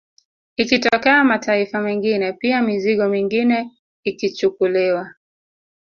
Ikitokea mataifa mengine pia mizigo mingine ikichukuliwa